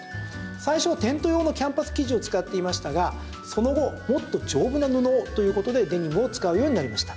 最初はテント用のキャンバス生地を使っていましたがその後もっと丈夫な布をということでデニムを使うようになりました。